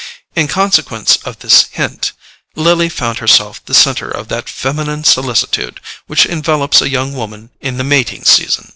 In consequence of this hint, Lily found herself the centre of that feminine solicitude which envelops a young woman in the mating season.